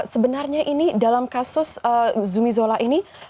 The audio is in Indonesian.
sebenarnya ini dalam kasus zumizola ini